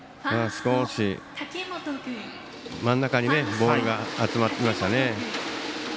真ん中にボールが集まってきましたね。